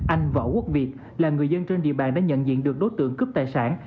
anh võ quốc việt là người dân trên địa bàn đã nhận diện được đối tượng cướp tài sản